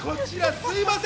すいません！